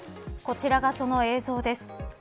こちらがその映像です。